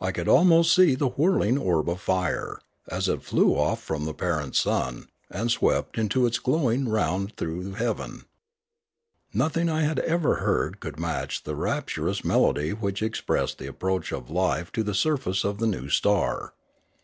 I could almost see the whirling orb of fire, as it flew off from the parent sun, and swept into its glow ing round through heaven. Nothing I had ever heard could match the rapturous melody which expressed the approach of life to the surface of the new star.